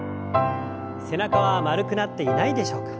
背中は丸くなっていないでしょうか。